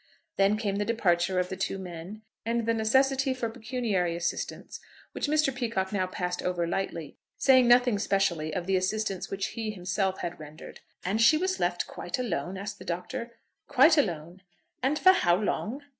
Then came the departure of the two men, and the necessity for pecuniary assistance, which Mr. Peacocke now passed over lightly, saying nothing specially of the assistance which he himself had rendered. "And she was left quite alone?" asked the Doctor. "Quite alone." "And for how long?"